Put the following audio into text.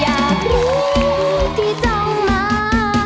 อยากรู้ที่ต้องมา